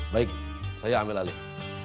baik saya ambil alih